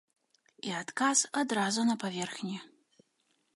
І адказ адразу на паверхні.